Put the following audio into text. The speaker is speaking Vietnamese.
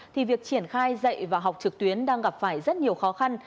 thì việc triển khai dạy và học trực tuyến đang gặp phải rất nhiều khó khăn